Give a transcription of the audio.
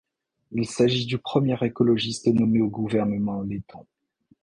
Il s'agit du premier écologiste nommé au gouvernement letton.